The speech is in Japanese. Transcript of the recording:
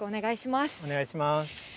お願いします。